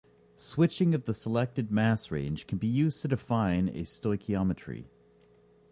Switching of the selected mass range can be used to define a stoichiometry.